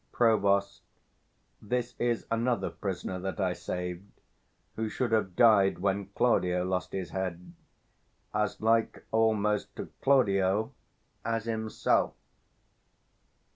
Prov. This is another prisoner that I saved, 485 Who should have died when Claudio lost his head; As like almost to Claudio as himself.